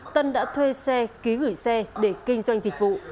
tân đã thuê xe ký gửi xe để kinh doanh dịch vụ